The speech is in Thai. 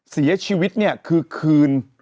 เสียชีวิตคือคืน